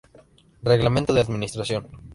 Reglamento de Administración.